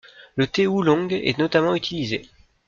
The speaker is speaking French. Le thé Oolong est notamment utilisé.